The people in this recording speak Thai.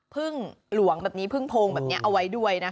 พึ่งหลวงแบบนี้พึ่งโพงแบบนี้เอาไว้ด้วยนะคะ